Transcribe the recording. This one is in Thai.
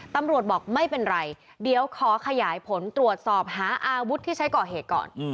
ตำรวจบอกไม่เป็นไรเดี๋ยวขอขยายผลตรวจสอบหาอาวุธที่ใช้ก่อเหตุก่อน